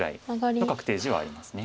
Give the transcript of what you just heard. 確定地はあります。